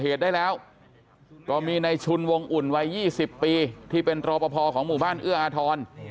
เหตุได้แล้วก็มีในชุนวงอุ่นวัย๒๐ปีที่เป็นรอปภของหมู่บ้านเอื้ออาทร